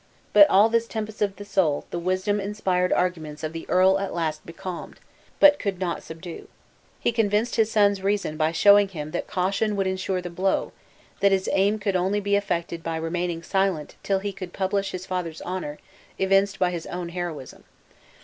But all this tempest of the soul the wisdom inspired arguments of the earl at last becalmed, but could not subdue. He convinced his son's reason by showing him that caution would insure the blow, and that his aim could only be effected by remaining silent till he could publish his father's honor, evidenced by his own heroism.